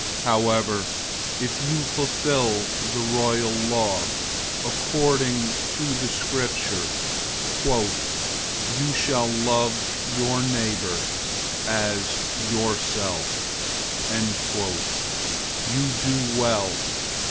002:008 However, if you fulfill the royal law, according to the Scripture, "You shall love your neighbor as yourself,"{Leviticus 19:18} you do well.